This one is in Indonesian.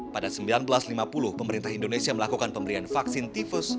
pada seribu sembilan ratus lima puluh pemerintah indonesia melakukan pemberian vaksin tifus